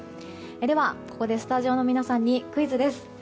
ではここでスタジオの皆さんにクイズです。